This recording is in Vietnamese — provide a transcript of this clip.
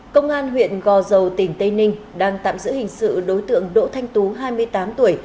công an huyện gò dầu tỉnh tây ninh đang tạm giữ hình sự đối tượng đỗ thanh tú hai mươi tám tuổi